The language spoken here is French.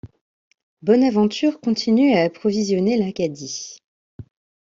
Bonaventure continue à approvisionner l'Acadie.